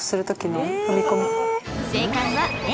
正解はＡ。